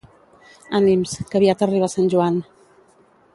Ànims, que aviat arriba Sant Joan